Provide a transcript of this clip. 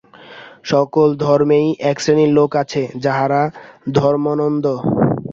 সকল ধর্মেই একশ্রেণীর লোক আছে, যাহারা ধর্মোন্মাদ।